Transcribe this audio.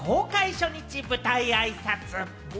初日舞台あいさつ。